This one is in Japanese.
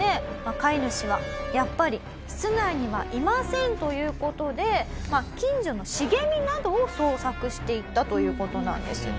飼い主は「やっぱり室内にはいません」という事で近所の茂みなどを捜索していったという事なんです。